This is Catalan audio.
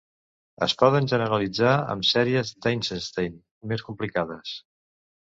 Es poden generalitzar amb sèries d'Eisenstein més complicades.